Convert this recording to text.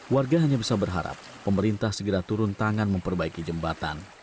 warga hanya bisa berharap pemerintah segera turun tangan memperbaiki jembatan